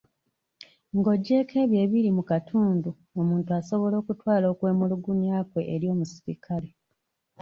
Ng'oggyeeko ebyo ebiri mu katundu , omuntu asobola okutwala okwemulugunya kwe eri omusirikale.